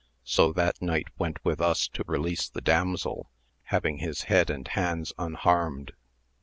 So that knight went with us to release the damsel, having his head and hands unharmed.